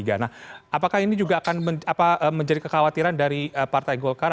apakah ini juga akan menjadi kekhawatiran dari partai golkar